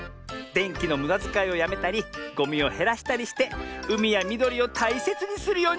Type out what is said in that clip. でんきのむだづかいをやめたりゴミをへらしたりしてうみやみどりをたいせつにするようにするのミズ。